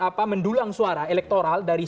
apa mendulang suara elektoral dari